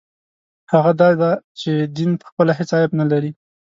هغه دا دی چې دین پخپله هېڅ عیب نه لري.